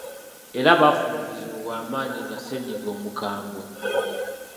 Era bafuna obuzibu bwa maanyi nga ssennyiga omukambwe.